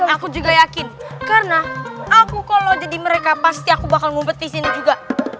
aku juga yakin karena aku kalau jadi mereka pasti aku bakal ngumpet di sini juga